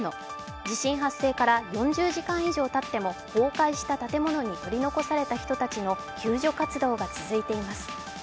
地震発生から、４０時間以上たっても崩壊した建物に取り残された人たちの救助活動が続いています。